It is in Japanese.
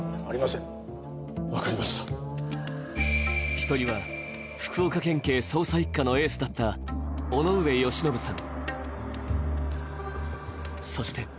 １人は、福岡県警捜査一課のエースだった、尾上芳信さん。